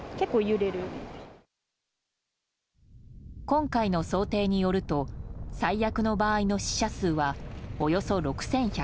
今回の想定によると最悪の場合の死者数はおよそ６１００人。